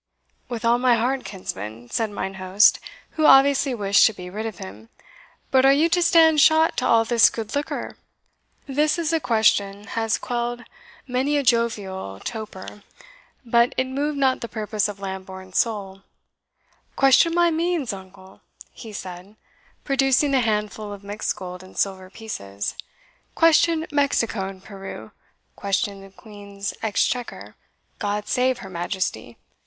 "With all my heart, kinsman," said mine host, who obviously wished to be rid of him; "but are you to stand shot to all this good liquor?" This is a question has quelled many a jovial toper, but it moved not the purpose of Lambourne's soul, "Question my means, nuncle?" he said, producing a handful of mixed gold and silver pieces; "question Mexico and Peru question the Queen's exchequer God save her Majesty!